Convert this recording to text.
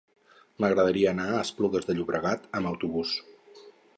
M'agradaria anar a Esplugues de Llobregat amb autobús.